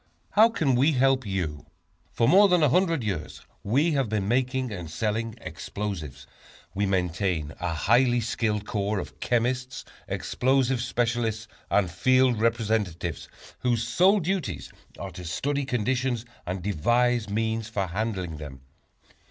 How Can We Help You? For more than a hundred years we have been making and selling explosives. We maintain a highly skilled corps of chemists, explosive specialists, and field representatives, whose sole duties are to study conditions and devise means for handling them.